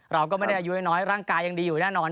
เราก็ไม่ได้อายุน้อยร่างกายยังดีอยู่แน่นอน